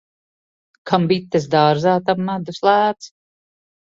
Kam bites dārzā, tam medus lēts.